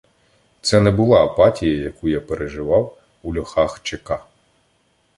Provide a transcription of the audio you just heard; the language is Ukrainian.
Це не була апатія, яку я переживав у льохах ЧК.